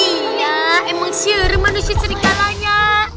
iya emang suruh manusia serigalanya